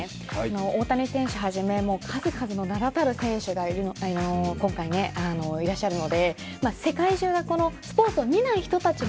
大谷選手はじめ、数々の名だたる選手が今回いらっしゃるので、世界中がスポーツを見ない人たちも